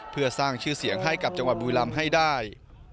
เพื่อสร้างชื่อเสียงให้กับจังหวัดบุรีรำให้ได้